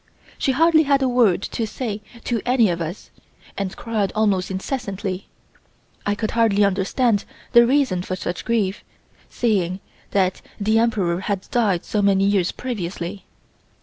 She hardly had a word to say to any of us, and cried almost incessantly. I could hardly understand the reason for such grief, seeing that the Emperor had died so many years previously.